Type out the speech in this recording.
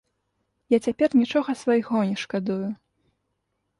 Я цяпер нічога свайго не шкадую.